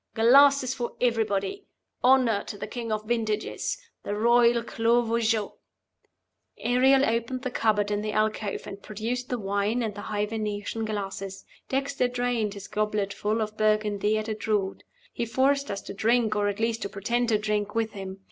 Glasses for everybody! Honor to the King of the Vintages the Royal Clos Vougeot!" Ariel opened the cupboard in the alcove, and produced the wine and the high Venetian glasses. Dexter drained his gobletful of Burgundy at a draught; he forced us to drink (or at least to pretend to drink) with him.